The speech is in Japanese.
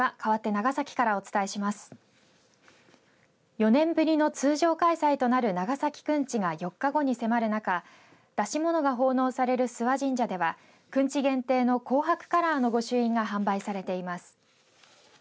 ４年ぶりの通常開催となる長崎くんちが４日後に迫る中演し物が奉納される諏訪神社ではくんち限定の紅白カラーの御朱印が販売されています。